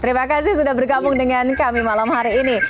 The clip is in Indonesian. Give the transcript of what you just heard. terima kasih sudah bergabung dengan kami malam hari ini